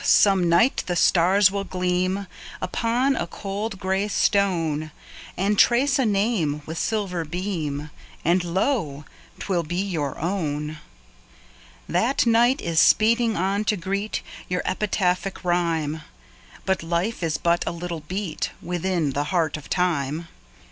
some night the stars will gleam Upon a cold, grey stone, And trace a name with silver beam, And lo! 'twill be your own. That night is speeding on to greet Your epitaphic rhyme. Your life is but a little beat Within the heart of Time.